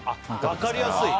分かりやすい。